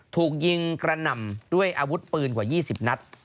ถูกยิงกระหน่ำด้วยอาวุธปืนกว่า๒๐นัด